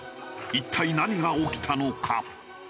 一体何が起きたのか？